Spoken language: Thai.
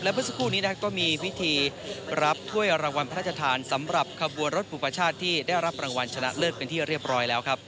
เมื่อสักครู่นี้ก็มีวิธีรับถ้วยรางวัลพระราชทานสำหรับขบวนรถบุปชาติที่ได้รับรางวัลชนะเลิศเป็นที่เรียบร้อยแล้วครับ